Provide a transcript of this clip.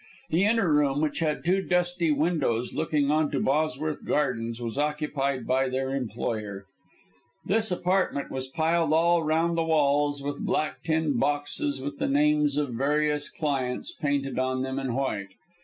The inner room, which had two dusty windows looking on to Bosworth Gardens, was occupied by their employer. This apartment was piled all round the walls with black tin boxes with the names of various clients painted on them in white.